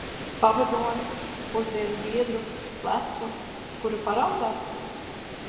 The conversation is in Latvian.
Pavadoni, pusdienu biedru, plecu, uz kura paraudāt?